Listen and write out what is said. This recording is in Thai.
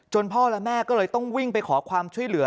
พ่อและแม่ก็เลยต้องวิ่งไปขอความช่วยเหลือ